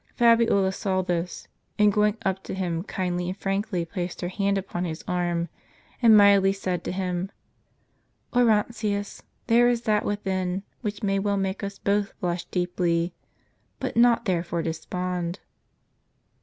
Fabiola saw this, and going up to him kindly and frankly, placed her. hand upon his arm, and mildly said to him: " Orontius, there is that within, which may well make us both blush deeply, but not therefore despond."